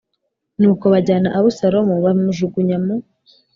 Nuko bajyana Abusalomu bamujugunya mu